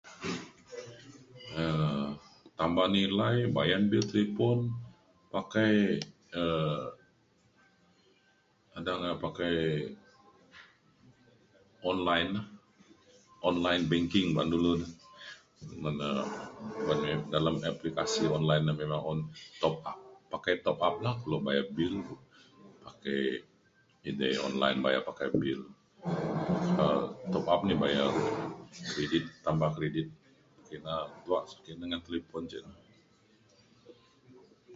um tambah nilai bayan bil talipon pakai um adang a- pakai online na online banking ba’an dulu na men um men dalem aplikasi online na memang un top up pakai top up lah lu bayar bil pakai edei online bayar pakai bil um top up ni bayar kredit tambah kredit ina lok [unintelligible] ngan talipon ke na